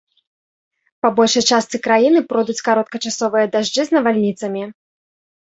Па большай частцы краіны пройдуць кароткачасовыя дажджы з навальніцамі.